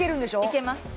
いけます